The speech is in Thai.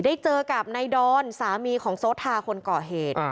ได้เจอกับนายดอนสามีของโซทาคนก่อเหตุ